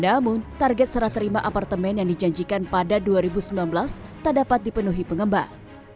namun target serah terima apartemen yang dijanjikan pada dua ribu sembilan belas tak dapat dipenuhi pengembang